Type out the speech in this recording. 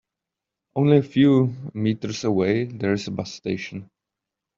Only a few meters away there is a bus station.